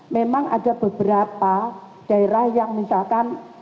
memang ada beberapa daerah yang misalkan